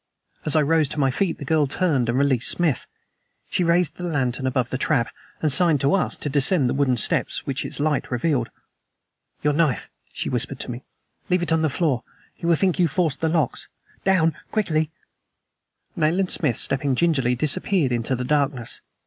As I rose to my feet the girl turned and released Smith. She raised the lantern above the trap, and signed to us to descend the wooden steps which its light revealed. "Your knife," she whispered to me. "Leave it on the floor. He will think you forced the locks. Down! Quickly!" Nayland Smith, stepping gingerly, disappeared into the darkness.